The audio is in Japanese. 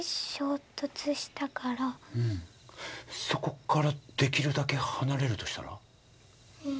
うんそこからできるだけ離れるとしたら。